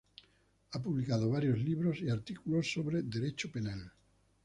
Ha publicado varios libros y artículos sobre Derecho Penal.